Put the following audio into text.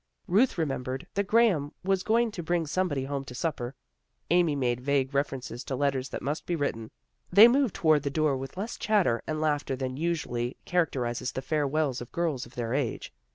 Ruth remem bered that Graham was going to bring some body home to supper. Amy made vague refer ences to letters that must be written. They moved toward the door with less chatter and laughter than usually characterizes the fare wells of girls of their age.